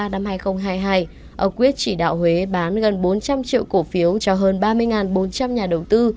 năm hai nghìn hai mươi hai ông quyết chỉ đạo huế bán gần bốn trăm linh triệu cổ phiếu cho hơn ba mươi bốn trăm linh nhà đầu tư